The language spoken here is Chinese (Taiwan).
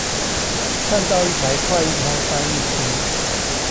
看到一台快譯通翻譯機